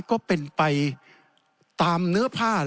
ก็เป็นไปตามเนื้อผ้า